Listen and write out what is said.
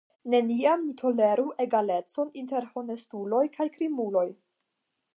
Neniam ni toleru egalecon inter honestuloj kaj krimuloj!